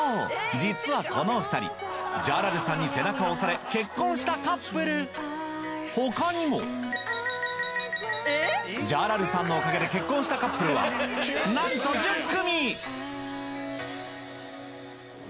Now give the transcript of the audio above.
実はこのお２人ジャラルさんに背中を押され結婚したカップル他にもジャラルさんのおかげで結婚したカップルはなんと１０組！